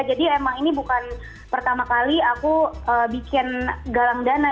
jadi emang ini bukan pertama kali aku bikin galang dana